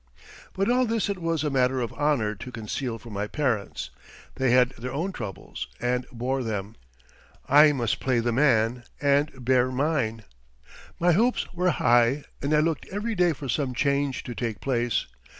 But all this it was a matter of honor to conceal from my parents. They had their own troubles and bore them. I must play the man and bear mine. My hopes were high, and I looked every day for some change to take place.